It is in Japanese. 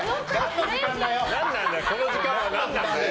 この時間は何なんだよ。